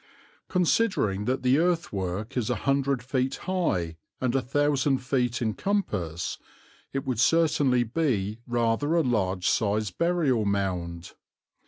Considering that the earthwork is a hundred feet high and a thousand feet in compass it would certainly be rather a large sized burial mound.